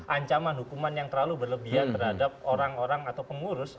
ancaman hukuman yang terlalu berlebihan terhadap orang orang atau pengurus